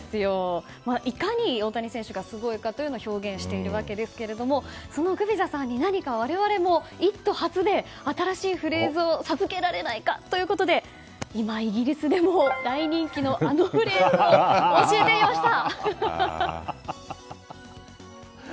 いかに大谷選手がすごいかを表現しているわけですけれどもそのグビザさんに何か我々も「イット！」発で新しいフレーズを授けられないかということで今、イギリスでも大人気のあのフレーズを教えてきました。